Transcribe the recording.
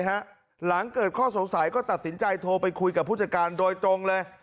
หลังเกิดข้อสงสัยก็ตัดสินใจโทรไปคุยกับผู้จัดการโดยตรงเลย